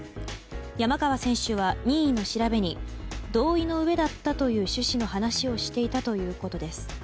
山川選手は任意の調べに同意のうえだったという趣旨の話をしていたということです。